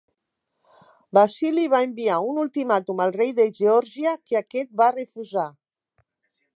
Basili va enviar un ultimàtum al rei de Geòrgia que aquest va refusar.